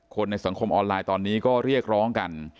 ในสังคมออนไลน์ตอนนี้ก็เรียกร้องกัน